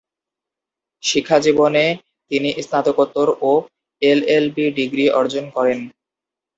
শিক্ষাজীবনে তিনি স্নাতকোত্তর ও এলএলবি ডিগ্রি অর্জন করেন।